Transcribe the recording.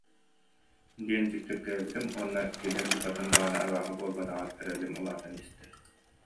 диэн дьиктиргээбитим уонна кини букатын даҕаны абааһы буолбатаҕар эрэлим улаатан истэ